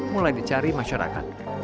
mulai dicari masyarakat